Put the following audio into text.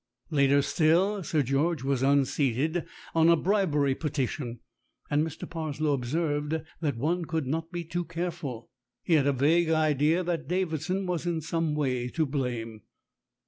Later still Sir George was unseated on a bribery petition, and Mr. Parslow observed that one could not be too careful. He had a vague idea that Davidson was in some way to blame.